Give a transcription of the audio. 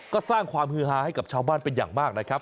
ก็สร้างความฮือฮาให้กับชาวบ้านเป็นอย่างมากนะครับ